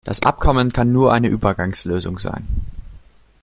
Das Abkommen kann nur eine Übergangslösung sein.